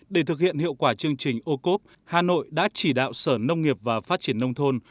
để thực hiện hiệu quả chương trình ô cốp hà nội đã chỉ đạo sở nông nghiệp và phát triển nông thôn